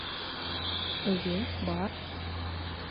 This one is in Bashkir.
Эйе, бар...